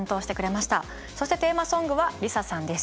そしてテーマソングはＬｉＳＡさんです。